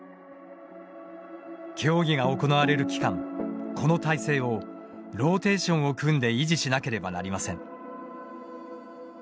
競技が行われる期間、この体制をローテーションを組んで維持しなければなりません。